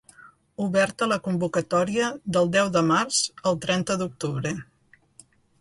Oberta la convocatòria del deu de març al trenta d'octubre.